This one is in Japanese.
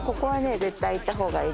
「絶対行った方がいい」